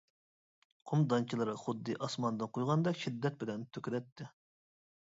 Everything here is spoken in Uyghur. قۇم دانچىلىرى خۇددى ئاسماندىن قۇيغاندەك شىددەت بىلەن تۆكۈلەتتى.